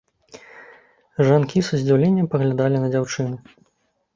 Жанкі са здзіўленнем паглядалі на дзяўчыну.